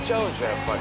やっぱり。